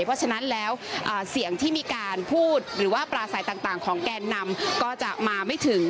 เพราะฉะนั้นแล้วเสียงที่มีการพูดหรือว่าปลาใสต่างของแกนนำก็จะมาไม่ถึง